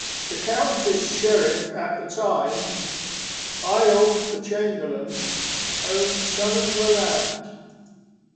The county's sheriff at the time, Aiulf the chamberlain, owned some of the land.